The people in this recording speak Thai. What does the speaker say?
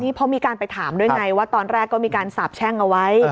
เพราะมีการไปถามด้วยไงว่าตอนแรกก็มีการสาบแช่งเอาไว้